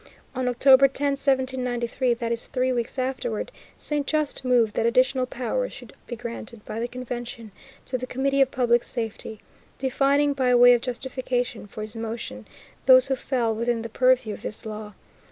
On October 10, 1793, that is three weeks afterward, Saint Just moved that additional powers should be granted, by the Convention, to the Committee of Public Safety, defining, by way of justification for his motion, those who fell within the purview of this law.